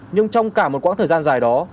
nhưng trong cả một quãng thời gian dài đó